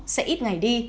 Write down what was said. sẽ ít ngày